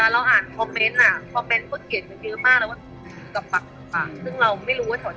ไม่นะไม่เจอค่ะไม่มี